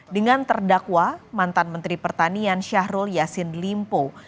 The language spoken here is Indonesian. dengan terdakwa mantan menteri pertanian syahrul yassin limpo